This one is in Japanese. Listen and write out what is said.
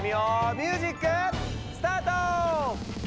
ミュージックスタート！